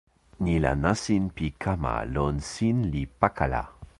ni la nasin pi kama lon sin li pakala.